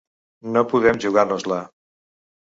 No podem jugar-nos-la.